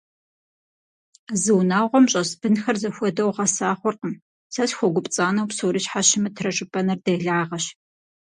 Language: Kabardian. Зы унагъуэм щӀэс бынхэр зэхуэдэу гъэса хъуркъым, сэ схуэгупцӀанэу псори щхьэ щымытрэ жыпӀэныр делагъэщ.